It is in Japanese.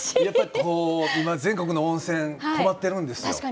やっぱり今全国の温泉困ってるんですよ。